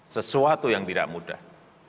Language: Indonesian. sesuatu yang tidak mudah